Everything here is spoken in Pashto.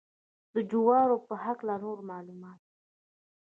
د جوارو په هکله نور معلومات.